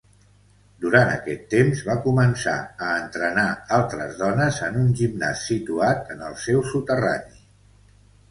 Durant aquest temps va començar a entrenar altres dones en un gimnàs situat en el seu soterrani.